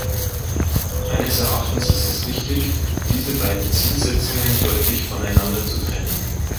Meines Erachtens ist es wichtig, diese beiden Zielsetzungen deutlich voneinander zu trennen.